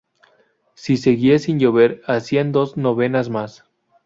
Si seguía sin llover hacían dos novenas más.